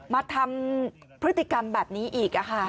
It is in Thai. มาทำพฤติกรรมแบบนี้อีก